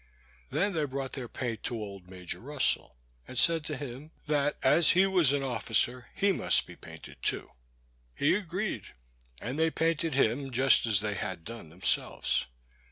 They then brought their paint to old Major Russell, and said to him, that as he was an officer, he must be painted too. He agreed, and they painted him just as they had done themselves.